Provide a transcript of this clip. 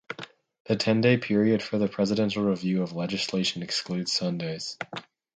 The ten-day period for the presidential review of legislation excludes Sundays.